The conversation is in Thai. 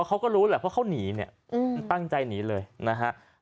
เขาก็รู้แหละเพราะเขาหนีเนี่ยตั้งใจหนีเลยนะฮะ